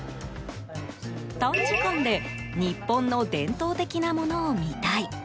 短時間で日本の伝統的なものを見たい。